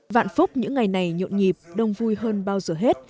vạn phúc những ngày này nhộn nhịp đông vui hơn bao giờ hết